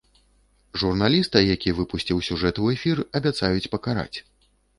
Журналіста, які выпусціў сюжэт у эфір, абяцаюць пакараць.